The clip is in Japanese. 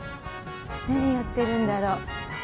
何やってるんだろう？